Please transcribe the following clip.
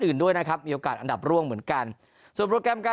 อื่นด้วยนะครับมีโอกาสอันดับร่วงเหมือนกันส่วนโปรแกรมการ